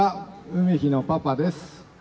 海陽のパパです。